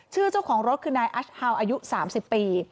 เจ้าของรถคือนายอัสฮาวอายุ๓๐ปี